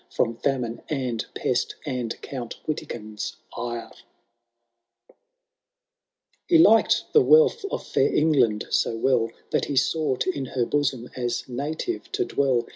From fkmine and pest, and Count Witikind's ire T* III. He liked the wealth of fair England so well. That he sought in her bosom as native to dwell.